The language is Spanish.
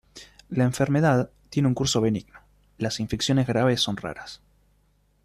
La enfermedad tiene un curso benigno, las infecciones graves son raras.